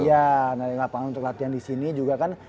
iya narik lapangan untuk latihan disini juga kan